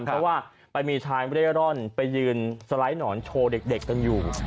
เพราะว่าไปมีชายเร่ร่อนไปยืนสไลด์หนอนโชว์เด็กกันอยู่